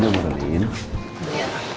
ini sebenarnya apa ini